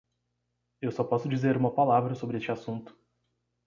Eu só posso dizer uma palavra sobre este assunto.